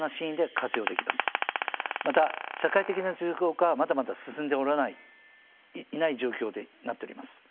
また社会的な実用化はまだまだ進んでいない状況になっております。